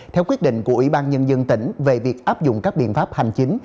theo quyết định của ủy ban nhân dân tỉnh về việc áp dụng các biện pháp hành chính